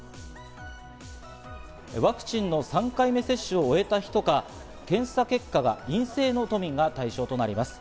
ワクチンの３回目接種を終えた人か、検査結果が陰性の都民が対象となります。